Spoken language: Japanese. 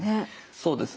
そうですね。